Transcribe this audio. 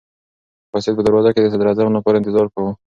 قاصد په دروازه کې د صدراعظم لپاره انتظار کاوه.